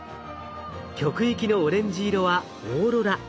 極域のオレンジ色はオーロラ。